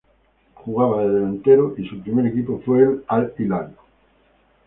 Jugaba de delantero y su primer equipo fue el Al-Hilal.